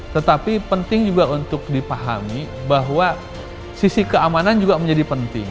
tetapi penting juga untuk dipahami bahwa sisi keamanan juga menjadi penting